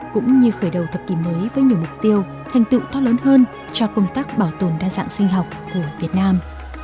cũng như khởi đầu thập kỷ mới với nhiều mục tiêu thành tựu to lớn hơn cho công tác bảo tồn đa dạng sinh học của việt nam